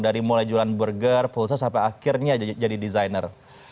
dari mulai jualan burger pulsa sampai akhirnya jadi desainer